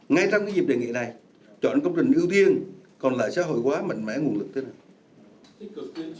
ngay trong dịp đề nghị này chọn công trình ưu tiên còn là xã hội hóa mạnh mẽ nguồn lực thế này